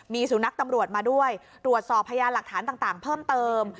มีสุนัขตำรวจมาด้วยตรวจสอบพยานหลักฐานต่างเพิ่มเติม